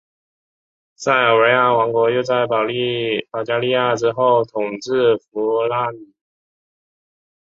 塞尔维亚王国又在保加利亚之后统治弗拉涅。